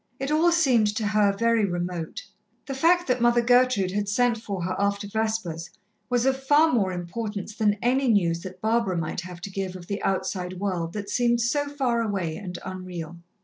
It all seemed to her very remote. The fact that Mother Gertrude had sent for her after Vespers was of far more importance than any news that Barbara might have to give of the outside world that seemed so far away and unreal.